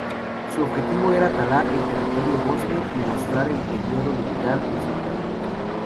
Su objetivo era talar el territorio bosnio y mostrar el poderío militar del sultán.